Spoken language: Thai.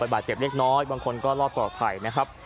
บางคนก็รอดปลอบใครนะครับ